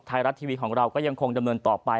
ไทยรัฐทีวีของเราก็ยังคงดำเนินต่อไป